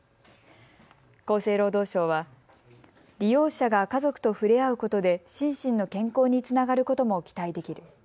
厚生労働省は利用者が家族と触れ合うことで心身の健康につながることも期待できる。